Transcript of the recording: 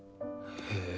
へえ。